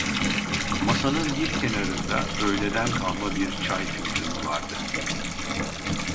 Masanın bir kenarında öğleden kalma bir çay fincanı vardı.